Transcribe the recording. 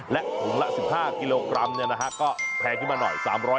และถุงละ๑๕กิโลกรัมเนี่ยนะฮะก็แพงขึ้นมาหน่อย